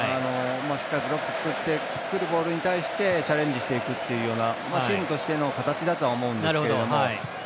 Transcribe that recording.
しっかりブロック作ってくるボールに対してチャレンジしていくって言うチームとしての形だと思います。